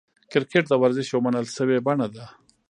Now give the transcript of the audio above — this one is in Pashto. کرکټ د ورزش یوه منل سوې بڼه ده.